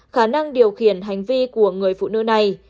khả năng điều khiển hành vi của người phụ nữ này